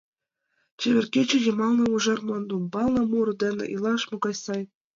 Чевер кече йымалне, ужар мландӱмбалне Муро дене илаш могай сай!